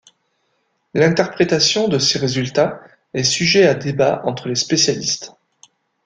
L'interprétation de ces résultats est sujet à débat entre les spécialistes.